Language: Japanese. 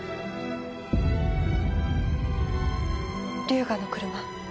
龍河の車。